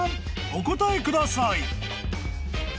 お答えください！］